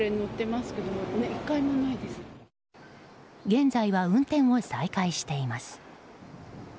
現在は運転を再開しています。